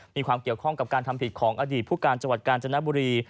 มีความเกี่ยวข้องกับการทำผิดของอดีตผู้การจังหวัดกาญจนบุรี